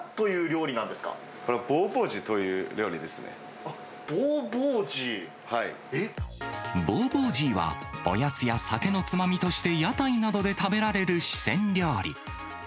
ボーボージーは、おやつや酒のつまみとして、屋台などで食べられる四川料理。